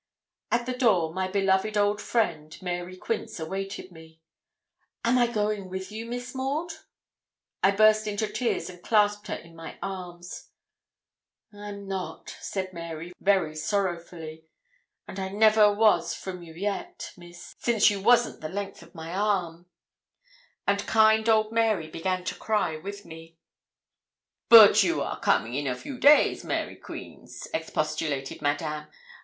At the door my beloved old friend, Mary Quince, awaited me. 'Am I going with you, Miss Maud?' I burst into tears and clasped her in my arms. 'I'm not,' said Mary, very sorrowfully; 'and I never was from you yet, Miss, since you wasn't the length of my arm.' And kind old Mary began to cry with me. 'Bote you are coming in a few days, Mary Quince,' expostulated Madame.